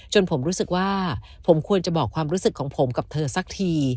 ผมรู้สึกว่าผมควรจะบอกความรู้สึกของผมกับเธอสักที